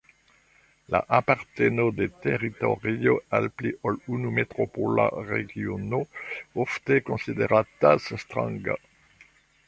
La aparteno de teritorio al pli ol unu metropola regiono ofte konsideratas stranga.